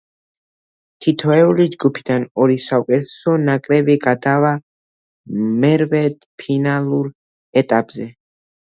თითოეული ჯგუფიდან ორი საუკეთესო ნაკრები გადავა მერვედფინალურ ეტაპზე.